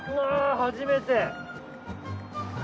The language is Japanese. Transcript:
初めて。何？